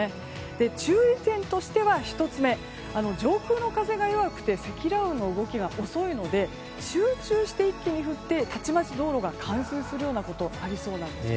注意点としては１つ目、上空の風が弱くて積乱雲の動きが遅いので集中して一気に降ってたちまち、道路が冠水するようなことがありそうなんです。